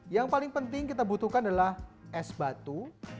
yang paling penting kita butuhkan adalah es batu